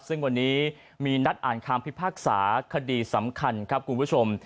ซึ่งวันนี้มีนัดอ่านคำพิพากษาคดีสำคัญครับคุณผู้ชม